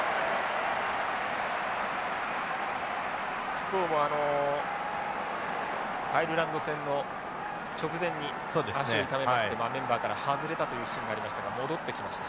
トゥポウもアイルランド戦の直前に足を痛めましてメンバーから外れたというシーンがありましたが戻ってきました。